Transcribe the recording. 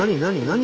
何？